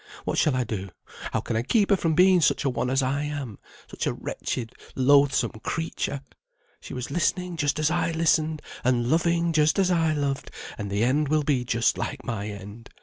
What shall I do? How can I keep her from being such a one as I am; such a wretched, loathsome creature! She was listening just as I listened, and loving just as I loved, and the end will be just like my end.